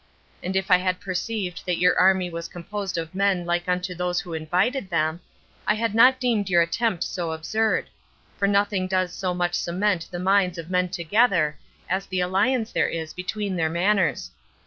And if I had perceived that your army was composed of men like unto those who invited them, I had not deemed your attempt so absurd; for nothing does so much cement the minds of men together as the alliance there is between their manners.